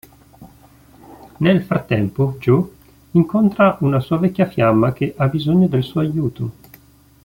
Nel frattempo Joe, incontra una sua vecchia fiamma che ha bisogno del suo aiuto.